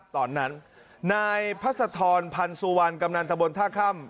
ตอนนั้นนายพระสะทรพันธุ์สุวรรณกำหนังทะบลท่าข้ำ